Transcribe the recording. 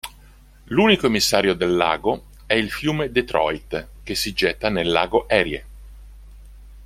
L'unico emissario del lago è il fiume Detroit, che si getta nel Lago Erie.